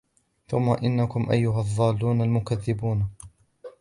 ثُمَّ إِنَّكُمْ أَيُّهَا الضَّالُّونَ الْمُكَذِّبُونَ